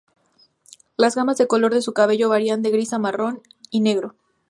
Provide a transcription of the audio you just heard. Las gamas de color de su cabello varían de gris a marrón y negro.